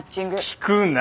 聞くな。